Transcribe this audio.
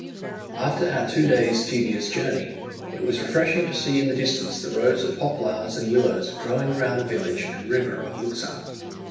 After our two days' tedious journey, it was refreshing to see in the distance the rows of poplars and willows growing round the village and river of Luxan.